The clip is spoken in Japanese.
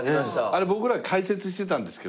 あれ僕ら解説してたんですけど